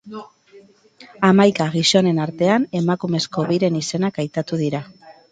Hamaika gizonen artean, emakumezko biren izenak aitatu dira.